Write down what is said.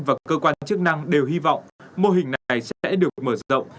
và cơ quan chức năng đều hy vọng mô hình này sẽ được mở rộng